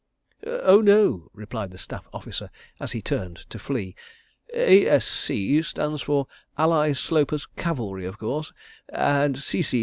"Oh, no!" replied the staff officer, as he turned to flee. "'A.S.C.' stands for Ally Sloper's Cavalry, of course, and 'C.C.